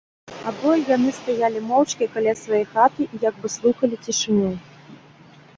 Абое яны стаялі моўчкі каля свае хаты і як бы слухалі цішыню.